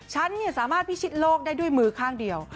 ฉันสามารถพิชิตโลกได้ด้วยมือข้างเดียว